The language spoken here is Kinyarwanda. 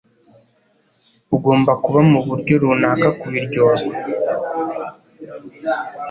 Ugomba kuba muburyo runaka kubiryozwa.